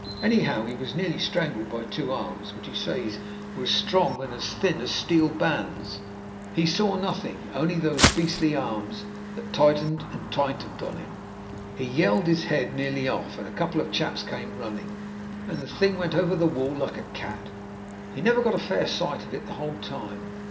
Anyhow, he was nearly strangled by two arms, which, he says, were as strong and as thin as steel bands. He saw nothing; only those beastly arms that tightened and tightened on him. He yelled his head nearly off, and a couple of chaps came running, and the thing went over the wall like a cat. He never got a fair sight of it the whole time.